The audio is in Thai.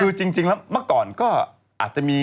คือจริงแล้วเมื่อก่อนก็อาจจะมี